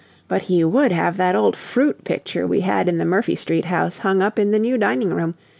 But he would have that old fruit picture we had in the Murphy Street house hung up in the new dining room.